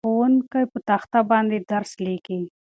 ښوونکی په تخته باندې درس لیکي.